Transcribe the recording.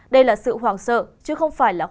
đây là sự hoảng sợ